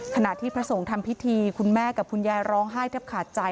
ขณะที่พระสงฆ์ทำพิธีคุณแม่กับคุณยายร้องไห้แทบขาดใจ